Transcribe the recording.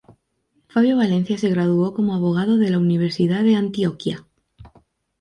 Fabio Valencia se graduó como abogado de la Universidad de Antioquia.